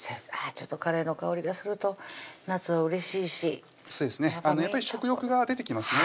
ちょっとカレーの香りがすると夏はうれしいしやっぱり食欲が出てきますね